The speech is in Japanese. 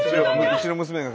うちの娘が。